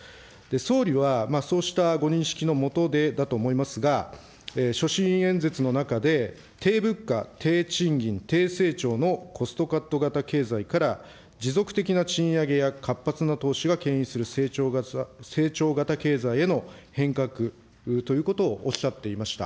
総理はそうしたご認識の下でだと思いますが、所信演説の中で、低物価、低賃金、低成長のコストカット型経済から持続的な賃上げや活発な投資がけん引する成長型経済への変革ということをおっしゃっていました。